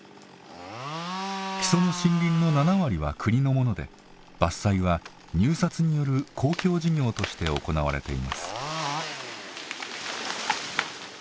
木曽の森林の７割は国のもので伐採は入札による公共事業として行われています。